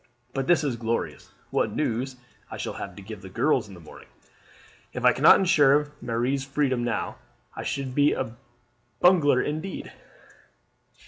But this is glorious! What news I shall have to give the girls in the morning! If I cannot ensure Marie's freedom now I should be a bungler indeed.